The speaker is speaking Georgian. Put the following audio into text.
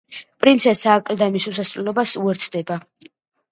პრინცესა აკლდამის უსასრულობას უერთდება.